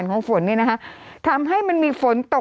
กรมป้องกันแล้วก็บรรเทาสาธารณภัยนะคะ